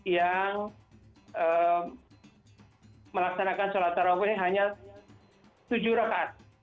yang melaksanakan sholat taraweeh hanya tujuh rakaat